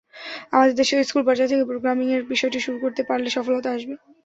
আমাদের দেশেও স্কুল পর্যায় থেকে প্রোগ্রামিংয়ের বিষয়টি শুরু করতে পারলে সফলতা আসবে।